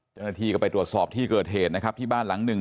เจ้าหน้าที่ก็ไปตรวจสอบที่เกิดเหตุนะครับที่บ้านหลังหนึ่ง